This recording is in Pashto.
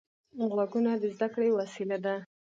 غوږونه د زده کړې وسیله ده